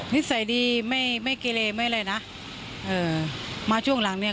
นิสัยดีไม่ไม่เกเลไม่อะไรนะเอ่อมาช่วงหลังเนี้ย